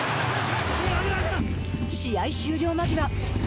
試合終了間際。